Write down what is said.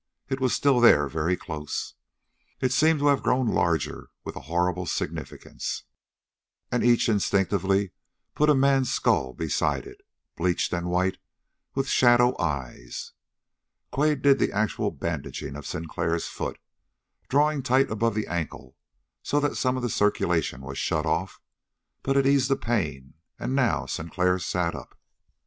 It was still there, very close. It seemed to have grown larger, with a horrible significance. And each instinctively put a man's skull beside it, bleached and white, with shadow eyes. Quade did the actual bandaging of Sinclair's foot, drawing tight above the ankle, so that some of the circulation was shut off; but it eased the pain, and now Sinclair sat up.